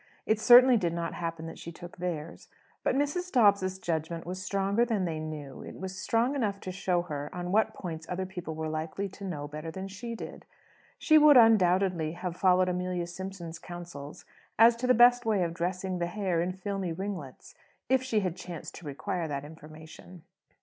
It certainly did not happen that she took theirs. But Mrs. Dobbs's judgment was stronger than they knew. It was strong enough to show her on what points other people were likely to know better than she did. She would undoubtedly have followed Amelia Simpson's counsels as to the best way of dressing the hair in filmy ringlets if she had chanced to require that information.